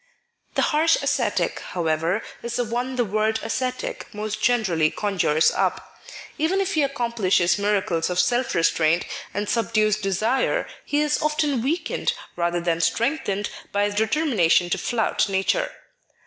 The harsh ascetic, however, is the one the word Abstinence 75 ascetic most generally conjures up. Even if he ac complishes miracles of self restraint, and subdues de sire, he is often weakened rather than strengthened by his determination to flout nature.